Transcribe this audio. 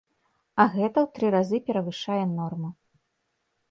А гэта ў тры разы перавышае норму!